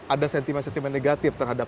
ada sentimen sentimen negatif terhadap